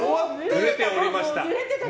ぬれてはいました。